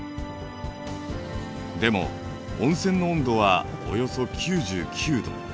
でも温泉の温度はおよそ９９℃。